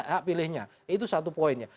hak pilihnya itu satu poinnya